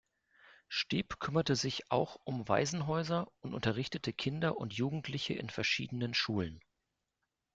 Steeb kümmerte sich auch um Waisenhäuser und unterrichtete Kinder und Jugendliche in verschiedenen Schulen.